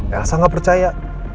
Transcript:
gak usah gak percaya